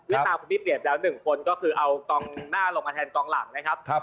ไม่ตามคุณพี่เปลี่ยนแดง๑คนก็คือเอากองหน้าลงมาแทนกองหลังเนี่ยค่ะ